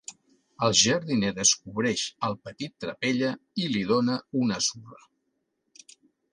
El jardiner descobreix al petit trapella i li dóna una surra.